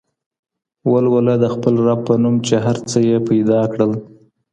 ولوله د خپل رب په نوم چي هر څه يې پيدا کړل.